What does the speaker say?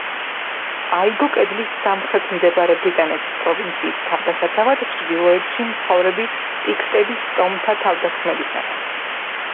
აიგო კედლის სამხრეთით მდებარე ბრიტანეთის პროვინციის თავდასაცავად ჩრდილოეთში მცხოვრები პიქტების ტომთა თავდასხმებისაგან.